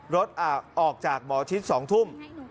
รถออกจากหมอชิด๒ทุ่ม